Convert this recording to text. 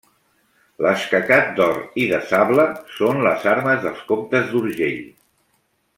L'escacat d'or i de sable són les armes dels comtes d'Urgell.